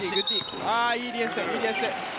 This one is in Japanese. いいディフェンス。